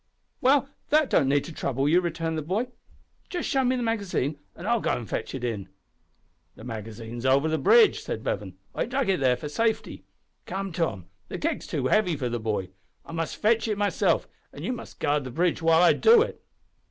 "Well, that don't need to trouble you," returned the boy, "just show me the magazine, an' I'll go an' fetch it in!" "The magazine's over the bridge," said Bevan. "I dug it there for safety. Come, Tom, the keg's too heavy for the boy. I must fetch it myself, and you must guard the bridge while I do it."